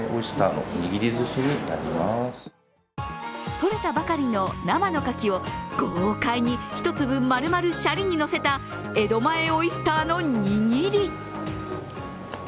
とれたばかりの生のかきを豪快に１粒丸々しゃりにのせた江戸前オイスターの握り。